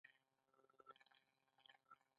د پیرود خدمتونه د خلکو خوښ دي.